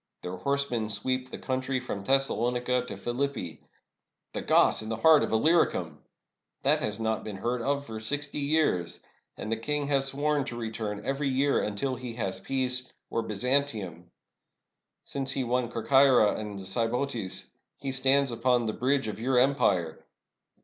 Their horse men sweep the country from Thessalonica to Philippi. The Goths in the heart of Illyricum ! That has not been heard of for sixty years. And the king has sworn to re turn every year until he has peace — or Byzantium I Since he won Corcyra and the Sybotes, he stands upon the bridge of your empire.